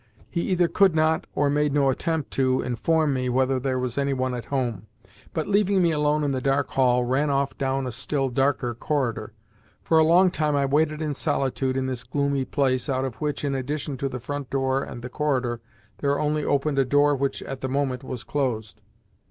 He either could not or made no attempt to inform me whether there was any one at home, but, leaving me alone in the dark hall, ran off down a still darker corridor. For a long time I waited in solitude in this gloomy place, out of which, in addition to the front door and the corridor, there only opened a door which at the moment was closed.